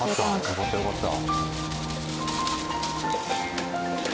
よかったよかった。